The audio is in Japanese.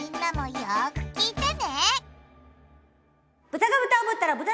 よく聞いてね。